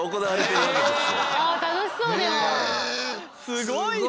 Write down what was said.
すごいね。